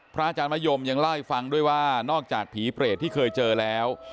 อาจารย์มะยมยังเล่าให้ฟังด้วยว่านอกจากผีเปรตที่เคยเจอแล้ว